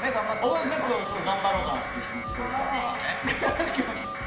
音楽活動、頑張ろうっていう気持ちとか。